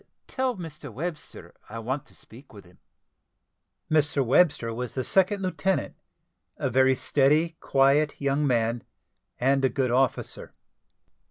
Tell Mr Webster I want to speak with him." Mr Webster was the second lieutenant, a very steady, quiet, young man, and a good officer.